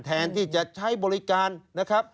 แทนที่จะใช้บริการนะครับ